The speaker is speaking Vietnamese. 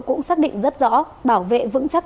cũng xác định rất rõ bảo vệ vững chắc